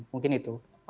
mungkin itu oke